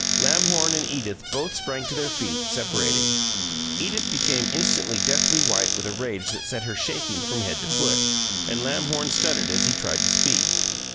Lamhorn and Edith both sprang to their feet, separating. Edith became instantly deathly white with a rage that set her shaking from head to foot, and Lamhorn stuttered as he tried to speak.